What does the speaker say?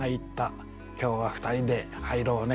「今日は２人で入ろうね」。